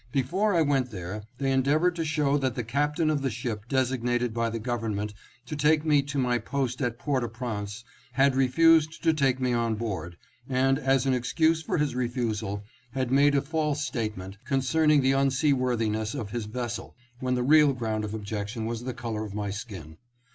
Before I went there they endeavored to show that the captain of the ship designated by the government to take me to my post at Port au Prince had refused to take me on board, and as an excuse for his refusal, had made a f;ilse statement concerning the unseaworthiness of his vessel, when the real ground of objection was the color of my skin.